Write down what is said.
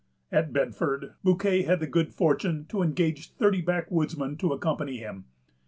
At Bedford, Bouquet had the good fortune to engage thirty backwoodsmen to accompany him.